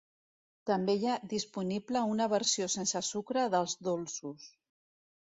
També hi ha disponible una versió sense sucre dels dolços.